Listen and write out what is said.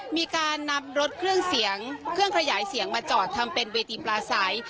มีการนำรถเครื่องเสียงเครื่องขยายเสียงมาจอดทำเป็นเวทีปลาใส